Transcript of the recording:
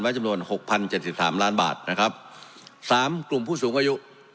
ไว้จำนวน๖๐๗๓ล้านบาทสามกลุ่มผู้สูงอายุ